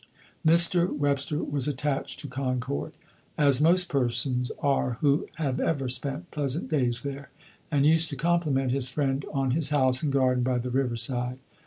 Mr. Webster was attached to Concord as most persons are who have ever spent pleasant days there and used to compliment his friend on his house and garden by the river side.